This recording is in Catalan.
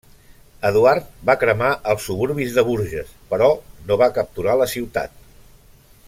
Eduard va cremar els suburbis de Bourges, però no va capturar la ciutat.